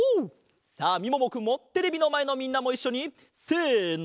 さあみももくんもテレビのまえのみんなもいっしょにせの。